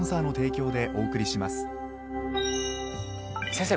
先生